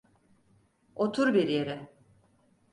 Otur bir yere.